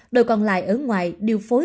đội còn lại ở ngoài điều phối